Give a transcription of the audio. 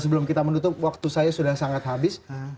sebelum kita menutup waktu saya sudah sangat habis